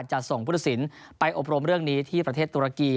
จะส่งพุทธศิลป์ไปอบรมเรื่องนี้ที่ประเทศตุรกี